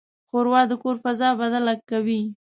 ښوروا د کور فضا بدله کوي.